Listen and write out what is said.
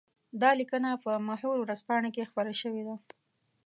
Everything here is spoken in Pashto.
دا ليکنه په محور ورځپاڼه کې خپره شوې ده.